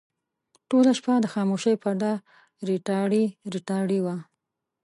ټوله شپه د خاموشۍ پرده ریتاړې ریتاړې وه.